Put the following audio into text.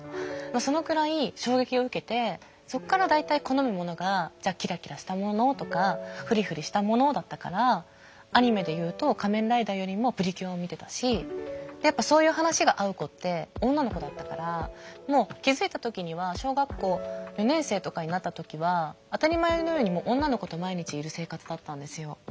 そのくらい衝撃を受けてそこから大体好むものがじゃあキラキラしたものとかフリフリしたものだったからアニメで言うと仮面ライダーよりもプリキュアを見てたしやっぱそういう話が合う子って女の子だったからもう気づいた時には小学校４年生とかになった時は当たり前のように女の子と毎日いる生活だったんですよ。